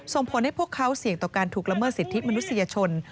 ส่งผลให้พวกเขาเสี่ยงต่อการถูกละเมิดสิทธิมนุษยชน